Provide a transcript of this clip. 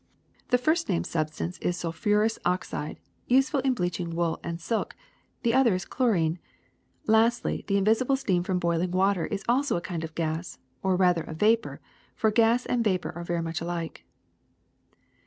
The first named substance is sulphurous oxide, useful in bleaching wool and silk; the other is chlorine. Lastly, the in visible steam from boiling water is also a kind of gas, or rather a vapor, for gas and vapor are much alike.